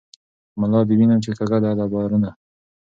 ملا دي وینم چی کږه ده له بارونو